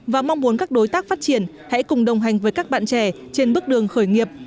và mong muốn các đối tác phát triển hãy cùng đồng hành với các bạn trẻ trên bước đường khởi nghiệp